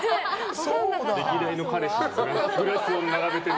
歴代の彼氏からね。